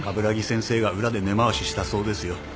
鏑木先生が裏で根回ししたそうですよ。